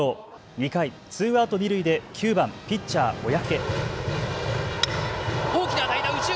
２回、ツーアウト二塁で９番・ピッチャー小宅。